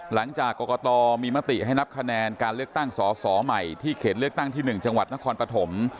หลังจากกรกตมีมติให้นับคะแนนการเลือกตั้งสอสอใหม่ที่เขตเลือกตั้งที่๑จังหวัดนครปฐม